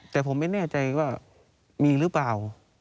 แต่ผมไม่แน่ใจว่ามีหรือเปล่า